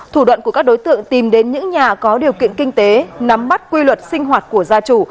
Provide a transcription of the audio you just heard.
thủ đoạn của các đối tượng tìm đến những nhà có điều kiện kinh tế nắm bắt quy luật sinh hoạt của gia chủ